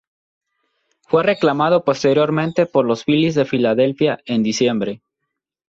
Fue reclamado posteriormente por los Filis de Filadelfia en diciembre.